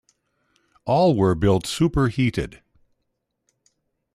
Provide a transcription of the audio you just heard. All were built superheated.